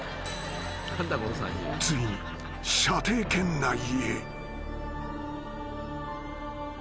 ［ついに射程圏内へ］